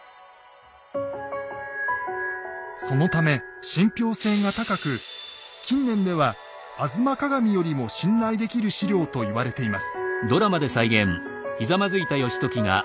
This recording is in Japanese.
そのため信ぴょう性が高く近年では「吾妻鏡」よりも信頼できる史料と言われています。